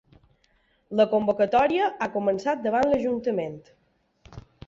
La convocatòria ha començat davant l’ajuntament.